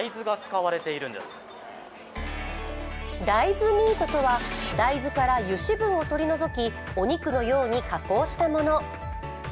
大豆ミートとは、大豆から油脂分を取り除きお肉のように加工したもの。